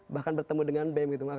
bahkan bertemu dengan bem